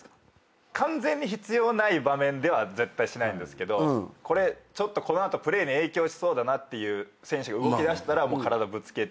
完全に必要ない場面では絶対しないんですけどこれちょっとこの後プレーに影響しそうだなっていう選手が動きだしたら体ぶつけて。